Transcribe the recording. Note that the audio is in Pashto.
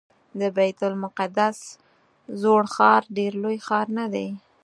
د بیت المقدس زوړ ښار ډېر لوی ښار نه دی.